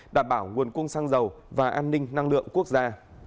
đảm bảo nguồn cung xăng dầu và an ninh năng lượng quốc gia